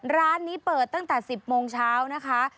ร้านนี้เปิดตั้งแต่๑๐โมงเช้านะคะ